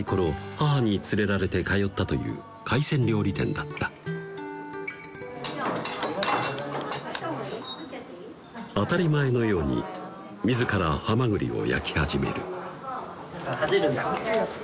母に連れられて通ったという海鮮料理店だった当たり前のように自ら蛤を焼き始める爆ぜるんだっけ？